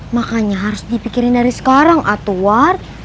makanya harus dipikirin dari sekarang etwar